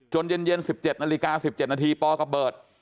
จนเย็นเย็นสิบเจ็ดนาฬิกาสิบเจ็ดนาทีปกระเบิร์ต